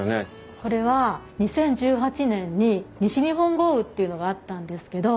これは２０１８年に西日本豪雨っていうのがあったんですけど。